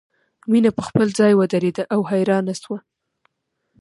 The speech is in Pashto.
مینه په خپل ځای ودریده او حیرانه شوه